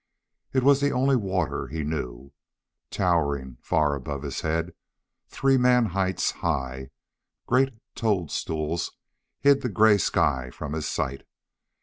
It was the only water he knew. Towering far above his head, three man heights high, great toadstools hid the gray sky from his sight.